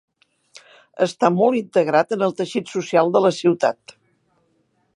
Està molt integrat en el teixit social de la ciutat.